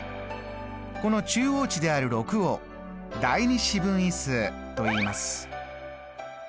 この中央値である６を第２四分位数といいます。